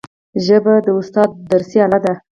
ژبه د استاد درسي آله ده